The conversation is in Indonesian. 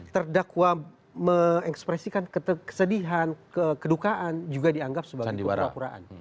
terdakwa mengekspresikan kesedihan kedukaan juga dianggap sebagai kewakuraan